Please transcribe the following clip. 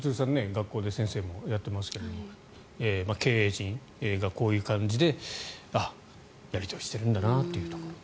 学校で先生もやっていますけど経営陣がこう言う感じでやり取りしているんだなというところ。